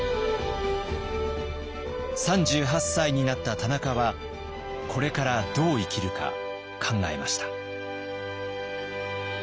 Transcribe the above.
３８歳になった田中はこれからどう生きるか考えました。